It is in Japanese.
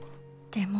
でも。